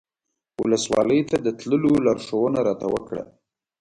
ولسوالۍ ته د تللو لارښوونه راته وکړه.